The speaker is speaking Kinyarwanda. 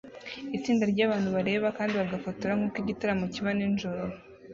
Itsinda ryabantu bareba kandi bagafotora nkuko igitaramo kiba nijoro